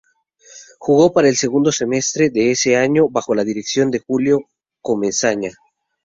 Jugó para el segundo semestre de ese año, bajo la dirección de Julio Comesaña.